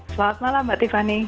selamat malam mbak tiffany